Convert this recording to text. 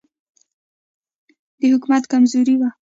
د حکومت کمزوري وه.